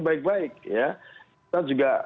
baik baik kita juga